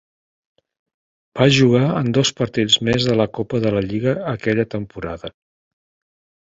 Va jugar en dos partits més de la Copa de la Lliga aquella temporada.